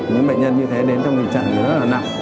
những bệnh nhân như thế đến trong tình trạng rất là nặng